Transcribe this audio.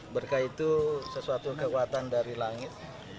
berkah itu sesuatu kekuatan dari langit